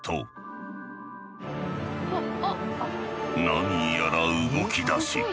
何やら動きだし。